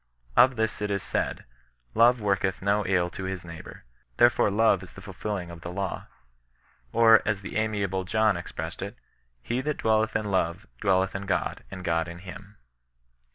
Of this it is said —^ Love worketh no iU to his neighbour ; therefore love is the fulfilling of the law." Or as the amiable John ex pressed it — ^''He that dwelleth in love, dwelleth in God, and God in him."